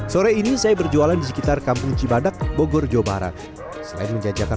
sore ini saya berjualan di sekitar kampung cibadak bogor jawa barat selain menjajakan